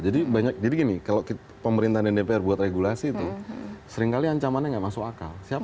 jadi gini kalau pemerintahan dan dpr buat regulasi itu seringkali ancamannya nggak masuk akal